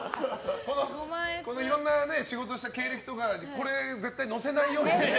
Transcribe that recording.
いろんな仕事した経歴とかにこれ絶対、載せないようにね。